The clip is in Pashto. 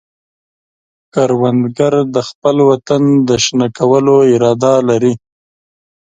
کروندګر د خپل وطن د شنه کولو اراده لري